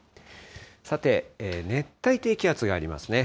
さて、熱帯低気圧がありますね。